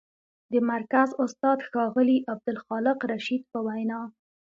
د مرکز استاد، ښاغلي عبدالخالق رشید په وینا: